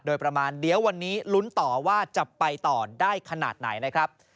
โดยประมาณเดี๋ยววันนี้ลุ้นต่อว่าจะไปต่อได้ขนาดไหนนะครับ